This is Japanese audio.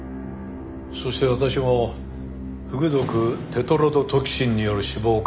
そして私もフグ毒テトロドトキシンによる死亡を確認。